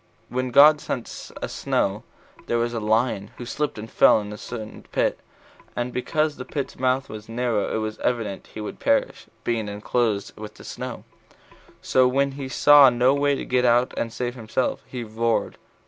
When God sent a snow, there was a lion who slipped and fell into a certain pit, and because the pit's mouth was narrow it was evident he would perish, being enclosed with the snow; so when he saw no way to get out and save himself, he roared.